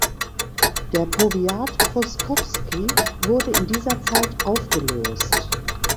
Der Powiat Pruszkowski wurde in dieser Zeit aufgelöst.